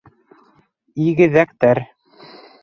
Игеҙәктәр.